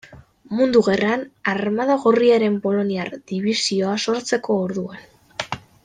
Mundu Gerran Armada Gorriaren poloniar dibisioa sortzeko orduan.